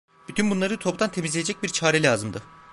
Bütün bunları toptan temizleyecek bir çare lazımdı…